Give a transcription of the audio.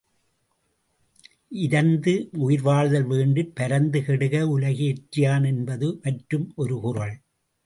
இரந்து முயிர்வாழ்தல் வேண்டிற் பரந்து கெடுக உலகியற்றி யான் என்பது மற்றும் ஒரு குறள்.